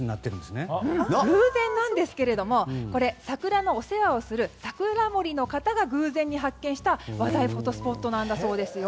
偶然なんですがこれ、桜のお世話をする桜守の方が偶然に発見した話題のスポットだそうです。